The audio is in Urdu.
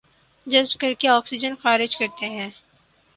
جذب کرکے آکسیجن خارج کرتے ہیں